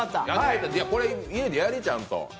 これ家でやり、ちゃんと。